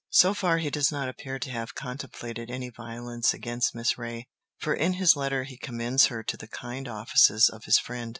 So far he does not appear to have contemplated any violence against Miss Reay, for in his letter he commends her to the kind offices of his friend.